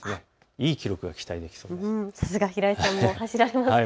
いい記録が期待できそうです。